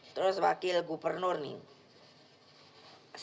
terus wakil gubernur nih